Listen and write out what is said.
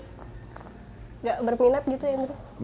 nggak berminat gitu ya andrew